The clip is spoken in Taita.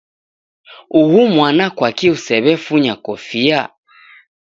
Uhu mwana kwakii usew'efunya kofia?